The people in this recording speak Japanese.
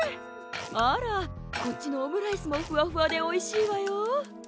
あらこっちのオムライスもふわふわでおいしいわよ。